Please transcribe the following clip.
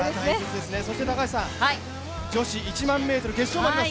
そして女子１００００ｍ決勝もあります。